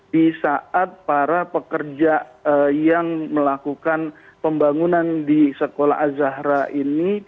di saat para pekerja yang melakukan pembangunan di sekolah azahra ini